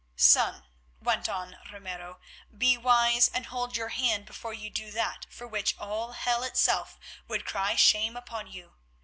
"Son," went on Ramiro, "be wise and hold your hand before you do that for which all hell itself would cry shame upon you.